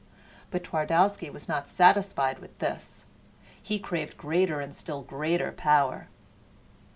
But Twardowski was not satisfied with this. He craved greater and still greater power.